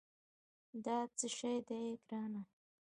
دا څه شي دي، ګرانه؟